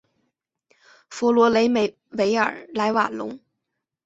弗罗梅雷维尔莱瓦隆。